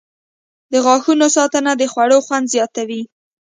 • د غاښونو ساتنه د خوړو خوند زیاتوي.